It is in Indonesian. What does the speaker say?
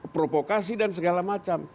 provokasi dan segala macam